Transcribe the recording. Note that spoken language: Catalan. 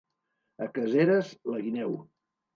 A Caseres, la guineu.